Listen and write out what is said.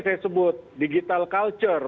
saya sebut digital culture